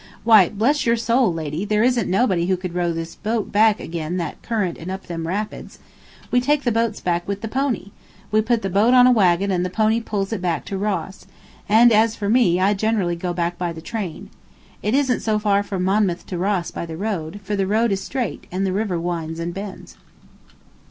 "Why, bless your soul, lady, there isn't nobody who could row this boat back agen that current and up them rapids. We take the boats back with the pony. We put the boat on a wagon and the pony pulls it back to Ross; and as for me, I generally go back by the train. It isn't so far from Monmouth to Ross by the road, for the road is straight and the river winds and bends."